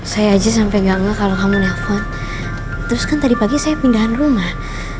saya aja sampai enggak enggak kalau kamu nelfon terus kan tadi pagi saya pindahan rumah